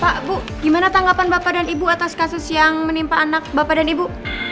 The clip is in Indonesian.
pak bu gimana tanggapan bapak dan ibu atas kasus yang menimpa anak bapak dan ibu